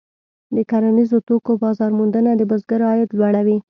د کرنیزو توکو بازار موندنه د بزګر عاید لوړوي.